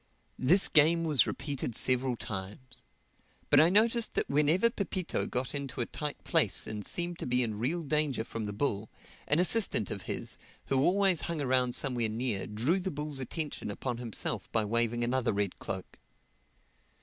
This game was repeated several times. But I noticed that whenever Pepito got into a tight place and seemed to be in real danger from the bull, an assistant of his, who always hung around somewhere near, drew the bull's attention upon himself by waving another red cloak.